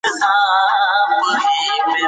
ثانیه د خپل ژوند په اړه د بي بي سي سره خبرې کړې.